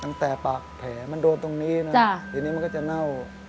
ตั้งแต่ปากแผลมันโดนตรงนี้นะทีนี้มันก็จะเน่า